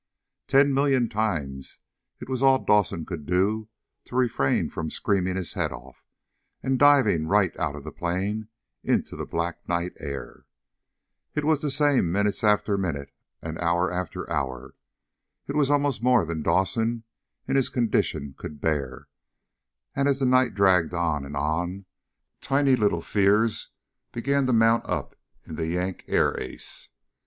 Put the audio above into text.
Ten million times it was all Dawson could do to refrain from screaming his head off, and diving right out of the plane into the black night air. It was the same minute after minute, and hour after hour. It was almost more than Dawson, in his condition, could bear. And as the night dragged on and on, tiny little fears began to mount up in the Yank air ace.